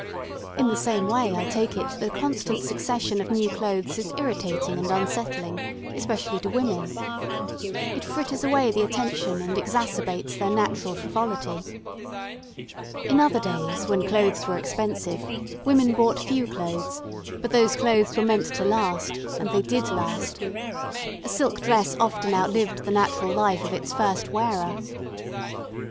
In the same way I take it that a constant succession of new clothes is irritating and unsettling, especially to women. It fritters away the attention and exacerbates their natural frivolity. In other days when clothes were expensive, women bought few clothes, but those clothes were meant to last, and they did last. A silk dress often outlived the natural life of its first wearer.